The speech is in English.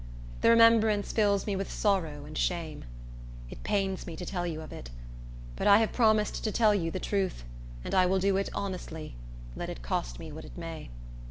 The remembrance fills me with sorrow and shame. It pains me to tell you of it; but I have promised to tell you the truth, and I will do it honestly, let it cost me what it may.